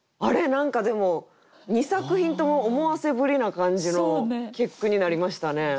何かでも２作品とも思わせぶりな感じの結句になりましたね。